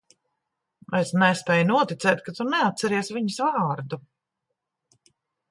Es nespēju noticēt, ka tu neatceries viņas vārdu.